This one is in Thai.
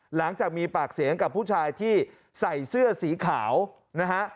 หลังจากมีปากเสียงกับผู้ชายที่ใส่เสื้อสีขาวนะฮะ